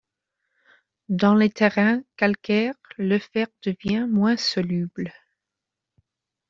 Dans les terrains calcaires, le fer devient moins soluble.